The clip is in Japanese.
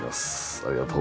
ありがとう。